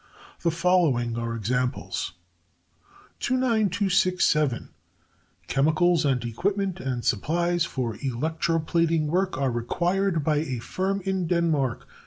The following are examples: 29267.* Chemicals, and equipment and supplies for electroplating work are required by a firm in Denmark.